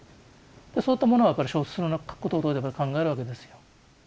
そういったものをやっぱり小説の中で書くことで考えるわけですよ。